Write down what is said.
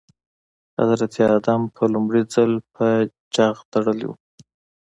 حضرت ادم په لومړي ځل په جغ تړلي وو.